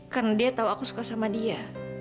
karena dia tau aku suka sama dia